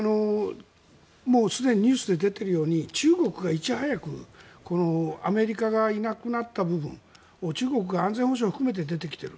もうすでにニュースで出ているように中国がいち早くアメリカがいなくなった部分を中国が安全保障を含めて出てきている。